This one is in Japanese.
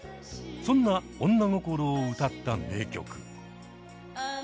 そんな女心を歌った名曲。